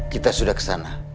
kita sudah ke sana